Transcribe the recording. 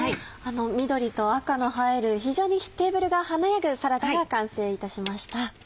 緑と赤の映える非常にテーブルが華やぐサラダが完成いたしました。